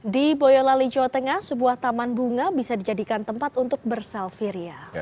di boyolali jawa tengah sebuah taman bunga bisa dijadikan tempat untuk berselfie ria